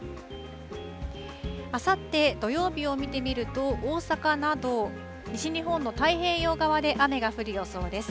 あさって土曜日を見てみると大阪など西日本の太平洋側で雨が降る予想です。